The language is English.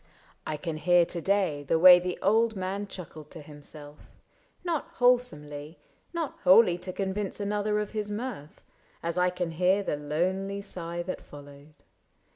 I can hear to day The way the old man chuckled to himself — Not wholesomely, not wholly to convince Another of his mirth, — as I can hear The lonely sigh that followed.